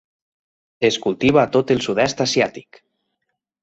Es cultiva a tot el sud-est asiàtic.